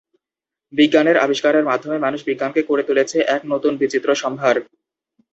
বিজ্ঞানের আবিষ্কারের মাধ্যমে মানুষ বিজ্ঞানকে করে তুলেছে এক নতুন বিচিত্র সম্ভার।